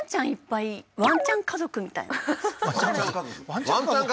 家族ワンちゃん